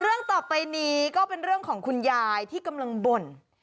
เรื่องต่อไปนี้ก็เป็นเรื่องของคุณยายที่กำลังบ่น